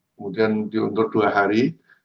kemudian diuntur dua hari